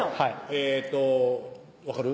えっと分かる？